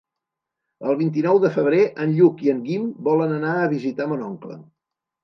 El vint-i-nou de febrer en Lluc i en Guim volen anar a visitar mon oncle.